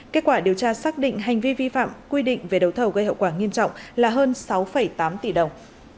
kết quả điều tra xác định hành vi vi phạm quy định về đấu thầu gây hậu quả nghiêm trọng là hơn sáu tám tỷ đồng